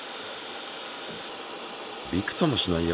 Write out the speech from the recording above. びくともしないよ。